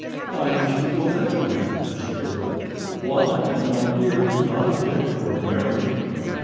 "Why must we go that way?" asked the girl. "Bwana and My Dear would not object to our marriage."